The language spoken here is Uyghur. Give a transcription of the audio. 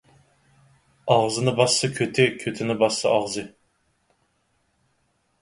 ئاغزىنى باسسا كۆتى، كۆتىنى باسسا ئاغزى.